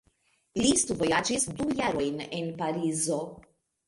Li studvojaĝis du jarojn en Parizo.